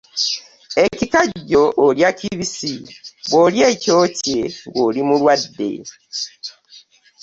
Ekikajjo olya kibissi bwolya ekyokye ng'oli mulwade .